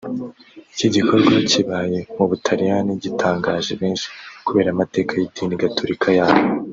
Iki gikorwa kibaye mu Butaliyani gitangaje benshi kubera amateka y’idini gatolika yaho